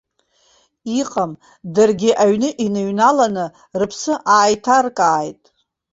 Иҟам, даргьы аҩны иныҩналаны рыԥсы ааиҭаркааит.